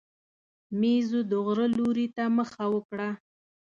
مېزو د غره لوري ته مخه وکړه.